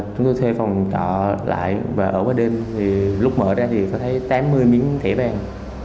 chúng tôi thuê phòng trọ lại và ở vào đêm thì lúc mở ra thì có thấy tám mươi miếng thẻ vàng